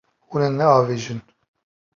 Hûn ê neavêjin.